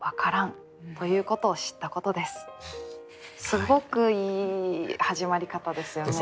すごくいい始まり方ですよね。